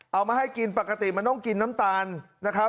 เอามาให้กินปกติมันต้องกินน้ำตาลนะครับ